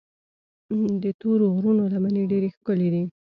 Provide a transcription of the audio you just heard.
د تورو غرونو لمنې ډېرې ښکلي دي.